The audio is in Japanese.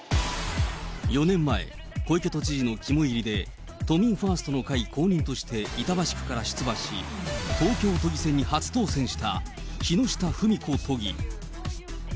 ４年前、小池都知事の肝煎りで、都民ファーストの会公認として板橋区から出馬し、東京都議選に初当選した木下富美子都議。